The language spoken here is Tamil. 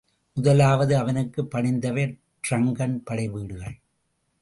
முதலாவது அவனுக்குப் பணிந்தவை டிரங்கன் படைவீடுகள்.